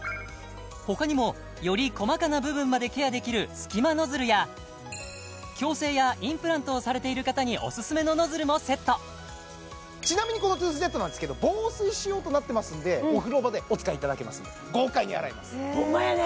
他にもより細かな部分までケアできるすき間ノズルや矯正やインプラントをされている方におすすめのノズルもセットちなみにこのトゥースジェットなんですけど防水仕様となってますんでお風呂場でお使いいただけますんで豪快に洗えますホンマやね！